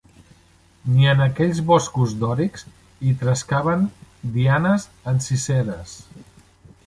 Ni en aquells boscos dòrics hi trescaven Dianes enciseres